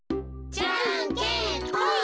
じゃんけんぽん！